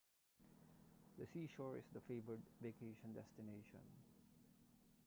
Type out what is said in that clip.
The seashore is the favored vacation destination.